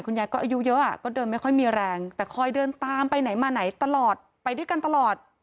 ยายก็อายุเยอะก็เดินไม่ค่อยมีแรงแต่คอยเดินตามไปไหนมาไหนตลอดไปด้วยกันตลอด